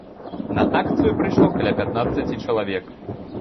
На акцыю прыйшло каля пятнаццаці чалавек.